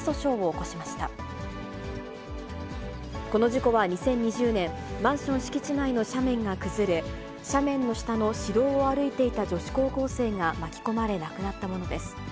この事故は２０２０年、マンション敷地内の斜面が崩れ、斜面の下の市道を歩いていた女子高校生が巻き込まれ亡くなったものです。